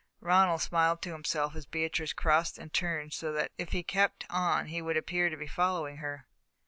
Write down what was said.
Ronald smiled to himself as Beatrice crossed and turned so that if he kept on he would appear to be following her.